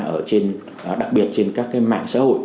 ở trên đặc biệt trên các cái mạng xã hội